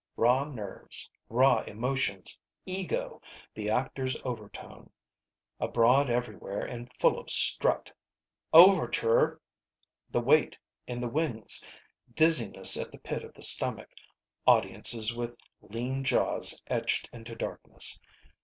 Raw nerves. Raw emotions. Ego, the actor's overtone, abroad everywhere and full of strut. "Overture!" The wait in the wings. Dizziness at the pit of the stomach. Audiences with lean jaws etched into darkness.